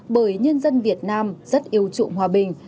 bởi nhân dân việt nam rất yêu trụng hòa bình